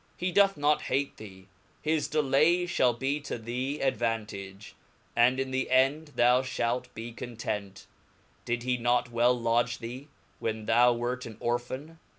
He doth not hate ^®^^^' An thee, his delay fliall be to thee advantage, and in the end rhou ?^^,^'^",'^'' {halt be content; Did he not well lodge thee, when thou f^^^ionohad wert an Orphan